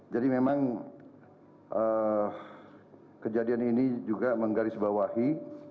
jadi memang kejadian ini juga menggarisbawahi